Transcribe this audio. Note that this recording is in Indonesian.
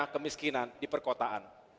kemiskinan di perkotaan